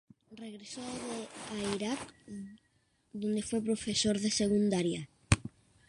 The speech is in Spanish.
Regresó a Irak, donde fue profesor de secundaria.